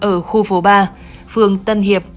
ở khu phố ba phường tân hiệp